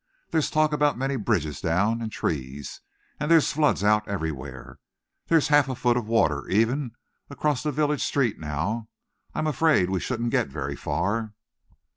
"There's talk about many bridges down, and trees, and there's floods out everywhere. There's half a foot of water, even, across the village street now. I'm afraid we shouldn't get very far."